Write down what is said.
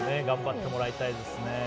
頑張ってもらいたいですね。